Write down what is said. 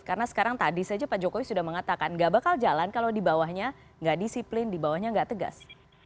karena sekarang tadi saja pak jokowi sudah mengatakan gak bakal jalan kalau di bawahnya gak disiplin di bawahnya gak tegas